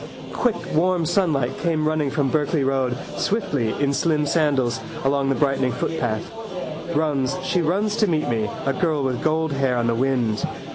Quick warm sunlight came running from Berkeley road, swiftly, in slim sandals, along the brightening footpath. Runs, she runs to meet me, a girl with gold hair on the wind.